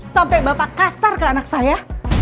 sampai bapak kasar ke anak saya